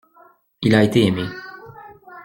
Il a été aimé.